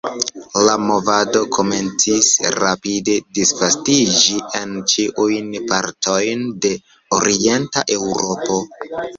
La movado komencis rapide disvastiĝi en ĉiujn partojn de orienta Eŭropo.